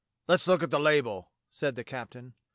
"Let's look at the label," said the captain.